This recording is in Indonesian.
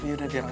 ya yaudah biar